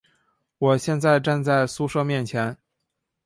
我现在站在宿舍前面